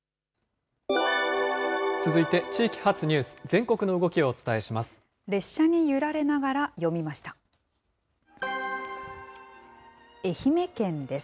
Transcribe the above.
続いて地域発ニュース、全国の動きをお伝えします。